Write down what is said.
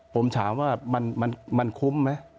ผมถามว่ามันคุ้มไหม